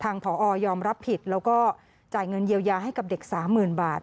ทางผอยอมรับผิดแล้วก็จ่ายเงินเยียวยาให้กับเด็ก๓๐๐๐๐บาท